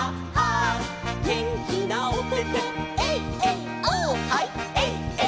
「げんきなおててエイエイオーッ」「ハイ」「」